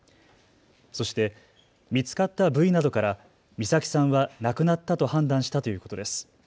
そして見つかった部位などから美咲さんは亡くなったと判断したということです。